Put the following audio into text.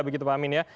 begitu pak amin ya